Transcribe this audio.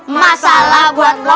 masalah buat lo